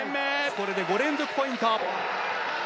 これで５連続ポイント！